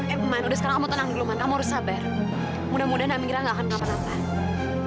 emman udah sekarang kamu tenang dulu kamu harus sabar mudah mudahan amira gak akan kenapa napa